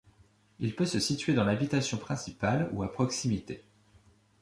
Il peut se situer dans l'habitation principale ou à proximité.